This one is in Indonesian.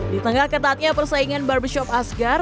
di tengah ketatnya persaingan barbershop asgar